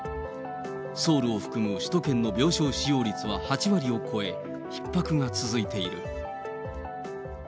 ソウルを含む首都圏の病床使用率は８割を超え、ひっ迫が続いている。